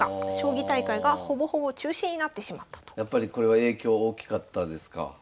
やっぱりこれは影響大きかったですか？